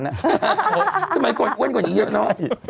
ทำไมกว้นกว่านี้เยอะน้อง